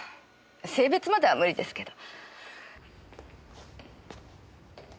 性別までは無理ですけど。